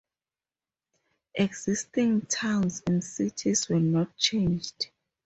Existing towns and cities were not changed.